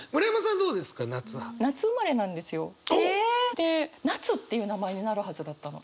で「なつ」っていう名前になるはずだったの。